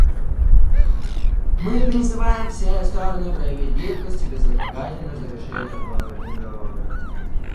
Мы призываем все стороны проявить гибкость и безотлагательно завершить торговые переговоры.